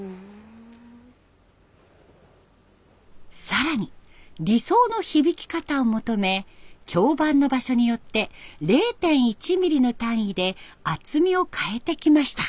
更に理想の響き方を求め響板の場所によって０．１ミリの単位で厚みを変えてきました。